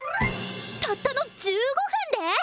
たったの１５分で！？